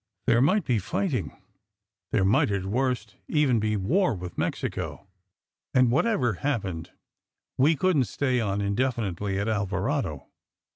There might be fighting ; there might at worst even be war with Mexico; and whatever happened, we couldn t stay on indefinitely at Alvarado.